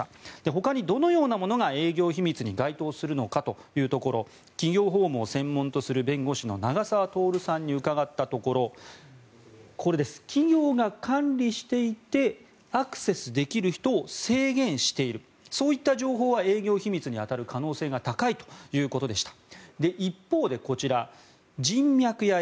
ほかにどのようなものが営業秘密に該当するのかというところ企業法務を専門とする弁護士の永沢徹さんに伺ったところこれです、企業が管理していてアクセスできる人を制限しているそういった情報は営業秘密に当たる可能性が高いということでした。